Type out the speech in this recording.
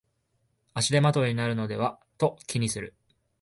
足手まといになるのではと気にする